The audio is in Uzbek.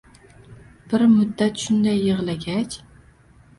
Bir muddat shunday yig'lagach: